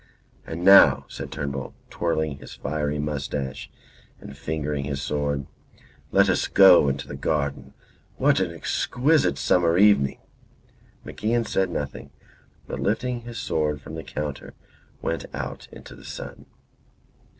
"And now," said Turnbull, twirling his fiery moustache and fingering his sword, "let us go into the garden. What an exquisite summer evening!" MacIan said nothing, but lifting his sword from the counter went out into the sun.